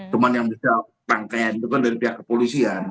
cuma yang bisa rangkaian itu kan dari pihak kepolisian